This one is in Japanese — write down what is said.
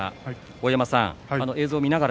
大山さん